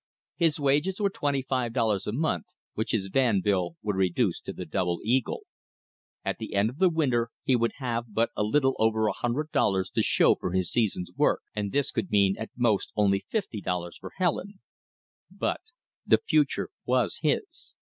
His wages were twenty five dollars a month, which his van bill would reduce to the double eagle. At the end of the winter he would have but a little over a hundred dollars to show for his season's work, and this could mean at most only fifty dollars for Helen. But the future was his.